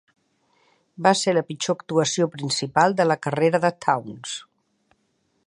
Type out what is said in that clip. Va ser la pitjor actuació principal de la carrera de Towns.